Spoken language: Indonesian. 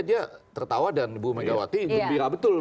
dia tertawa dan ibu megawati gembira betul